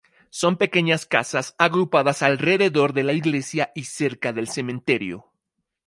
Son pequeñas casas agrupadas alrededor de la iglesia y cerca del cementerio.